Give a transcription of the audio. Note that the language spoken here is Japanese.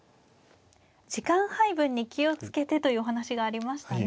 時間配分に気を付けてというお話がありましたね。